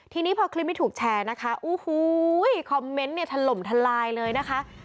ทีนี้พอคลิปนี้ถูกแชร์นะคะโอ้โหคอมเมนต์เนี่ยถล่มทลายเลยนะคะ